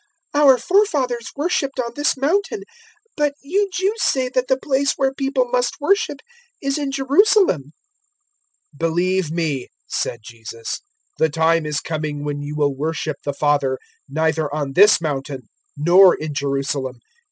004:020 Our forefathers worshipped on this mountain, but you Jews say that the place where people must worship is in Jerusalem." 004:021 "Believe me," said Jesus, "the time is coming when you will worship the Father neither on this mountain nor in Jerusalem.